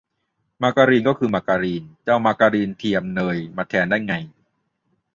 มาการีน ก็คือมาการีน จะเอามาการีนเทียม เนย มาแทนได้ไง